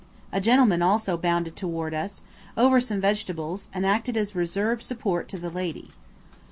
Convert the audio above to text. A gentleman also bounded towards us, over some vegetables, and acted as reserve support to the lady.